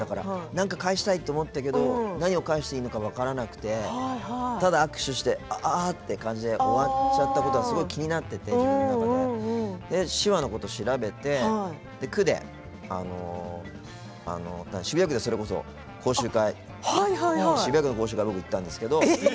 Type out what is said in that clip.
何か返したいと思ったけど何を返していいか分からなくてただ、握手してあああって感じで終わっちゃったのが自分の中で気になって手話のこと調べて渋谷区で、それこそ講習会に渋谷区の講習会に僕、行ったんですけど。